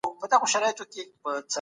ارګ بمبار شو.